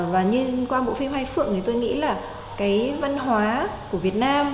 và như qua bộ phim hai phượng thì tôi nghĩ là cái văn hóa của việt nam